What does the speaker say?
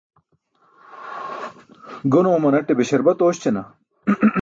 Gon oomanate be śarbat oośćana.